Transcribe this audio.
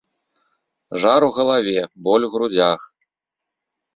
Жар у галаве, боль у грудзях.